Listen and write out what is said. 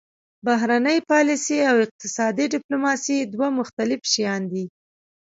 بهرنۍ پالیسي او اقتصادي ډیپلوماسي دوه مختلف شیان دي